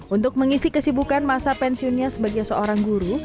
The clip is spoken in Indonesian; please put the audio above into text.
untuk mengisi kesibukan masa pensiunnya sebagai seorang guru